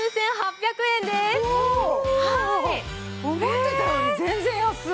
思ってたより全然安い。